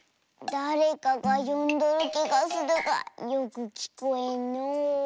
だれかがよんどるきがするがよくきこえんのう。